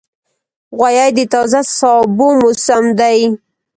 غویی د تازه سابو موسم دی.